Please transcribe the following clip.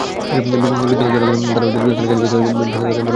বিদ্যালয় চলাকালীন তাঁরা গৃহস্থালির কাজে ব্যস্ত থাকেন বলে অভিযোগ পাওয়া গেছে।